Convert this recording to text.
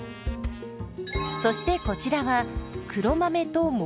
そしてこちらは黒豆ともち。